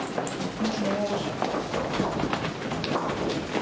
もしもーし。